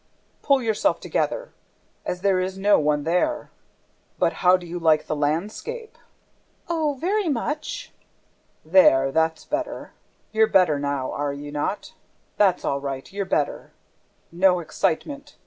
... Pull yourself together ... as there is no one there! ... BUT HOW DO YOU LIKE THE LANDSCAPE?" "Oh, very much!" "There, that's better! ... You're better now, are you not? ... That's all right, you're better! ... No excitement!